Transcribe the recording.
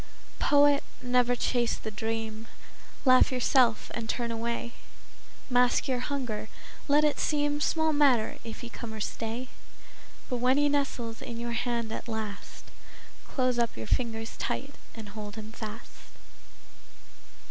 Poet, never chase the dream. Laugh yourself and turn away. Mask your hunger; let it seem Small matter if he come or stay; But when he nestles in your hand at last, Close up your fingers tight and hold him fast.